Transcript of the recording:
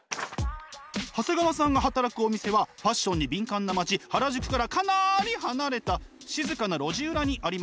長谷川さんが働くお店はファッションに敏感な町原宿からかなり離れた静かな路地裏にありました。